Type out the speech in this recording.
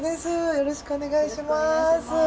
よろしくお願いします。